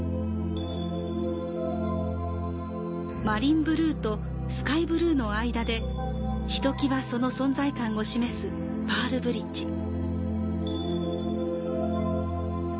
マリンブルーとスカイブルーの間で、ひときわその存在感を示すパールブリッジ。